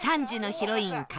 ３時のヒロイン。